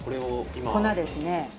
粉ですね。